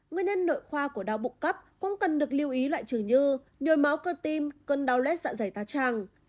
nguyên nhân nội khoa của đau bụng cấp cũng cần được lưu ý loại trừ như nhôi máu cơ tim cơn đau lết dạ dày ta tràng